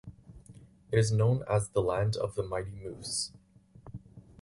It is known as the "Land of the Mighty Moose".